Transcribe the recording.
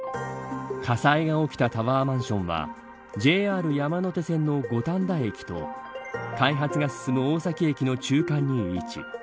火災が起きたタワーマンションはＪＲ山手線の五反田駅と開発が進む大崎駅の中間に位置。